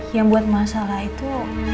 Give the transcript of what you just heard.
yang buat mas al lah itu